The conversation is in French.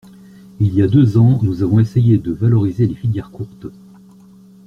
Il y a deux ans, nous avons essayé de valoriser les filières courtes.